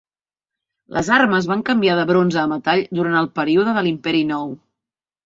Les armes van canviar de bronze a metall durant el període de l'Imperi Nou.